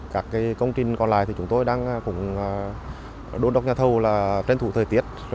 các công trình còn lại chúng tôi đang đối đốc nhà thâu là trân thủ thời tiết